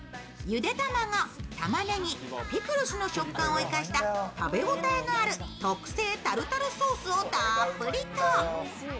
ゆで卵、たまねぎ、ピクルスの食感を生かした食べ応えのある特製タルタルソースをたっぷりと。